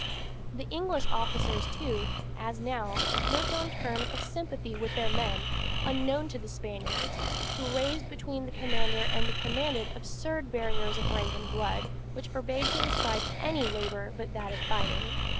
The English officers, too, as now, lived on terms of sympathy with their men unknown to the Spaniards, who raised between the commander and the commanded absurd barriers of rank and blood, which forbade to his pride any labor but that of fighting.